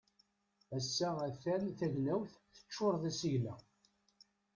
Ass-a a-t-an tagnawt teččur d asigna.